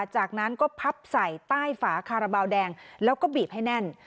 จากนั้นก็พับใส่ใต้ฝาคาราบาลแดงแล้วก็บีบให้แน่น